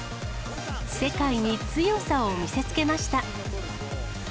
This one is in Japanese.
世界に強さを見せつけました。